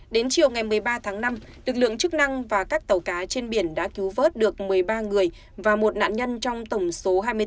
đến chiều ngày một mươi ba tháng năm lực lượng chức năng và các tàu cá trên biển đã cứu vớt được một mươi ba người và một nạn nhân trong tổng số hai mươi tám